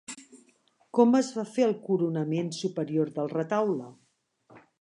Com es va fer el coronament superior del retaule?